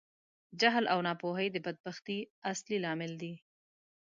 جهل او ناپوهۍ د بدبختي اصلی لامل دي.